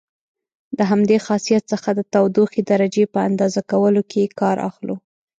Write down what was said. د همدې خاصیت څخه د تودوخې درجې په اندازه کولو کې کار اخلو.